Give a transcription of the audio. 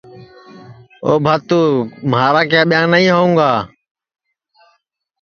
او سیدھو مھارا کیا ٻیاں نائی ہوئں گا